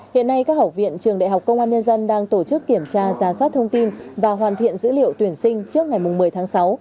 hiện nay các học viện trường đại học công an nhân dân đang tổ chức kiểm tra giá soát thông tin và hoàn thiện dữ liệu tuyển sinh trước ngày một mươi tháng sáu